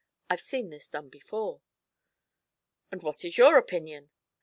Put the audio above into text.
I've seen this done.' 'And what is your opinion?'